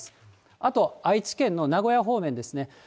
あと愛知県の名古屋方面ですね。